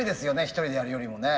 一人でやるよりもね。